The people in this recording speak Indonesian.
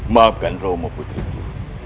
maafkan romo putriku